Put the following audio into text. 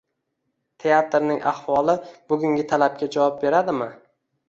Teatrning ahvoli bugungi talabga javob beradimi?